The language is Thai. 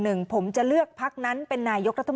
คุณสิริกัญญาบอกว่า๖๔เสียง